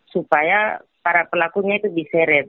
supaya para pelakunya itu diseret